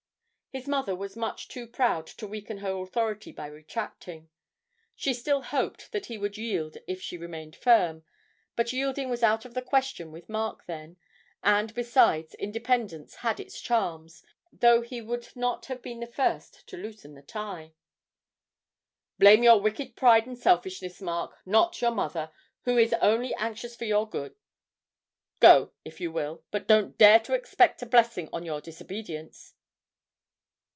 His mother was much too proud to weaken her authority by retracting. She still hoped that he would yield if she remained firm, but yielding was out of the question with Mark then, and, besides, independence had its charms, though he would not have been the first to loosen the tie. 'Blame your wicked pride and selfishness, Mark, not your mother, who is only anxious for your good. Go, if you will, but don't dare to expect a blessing on your disobedience.'